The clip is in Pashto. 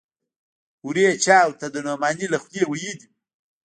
هورې چا ورته د نعماني له خولې ويلي و.